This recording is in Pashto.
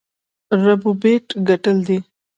ربوبیت ګټل دی.